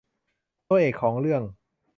ตัวเอกของเรื่อง